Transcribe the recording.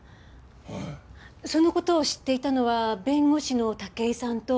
その事を知っていたのは弁護士の武井さんと。